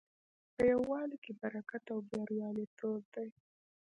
په یووالي کې برکت او بریالیتوب دی.